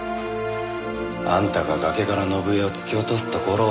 あんたが崖から伸枝を突き落とすところをだよ！